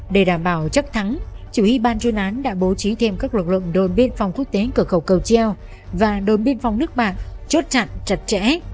để đảm bảo chắc thắng chủ y ban chuyên án đã bố trí thêm các lực lượng đồn biên phòng quốc tế cửa khẩu cầu treo và đồn biên phòng nước bạc chốt chặn chặt chẽ